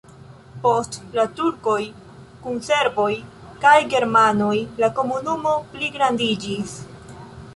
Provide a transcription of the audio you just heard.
Post la turkoj kun serboj kaj germanoj la komunumo pligrandiĝis.